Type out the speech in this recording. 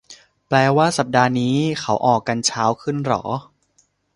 แปลว่าสัปดาห์นี้เขาออกกันเช้าขึ้นเหรอ